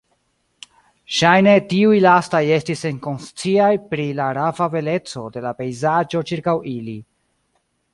Ŝajne tiuj lastaj estis senkonsciaj pri la rava beleco de la pejzaĝo ĉirkaŭ ili.